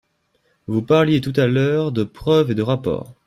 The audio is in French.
Vous parliez tout à l’heure de preuves et de rapports.